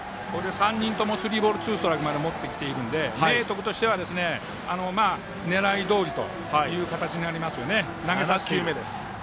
３人ともスリーボールツーストライクまで持ってきているので明徳としては狙いどおりという形になりますね。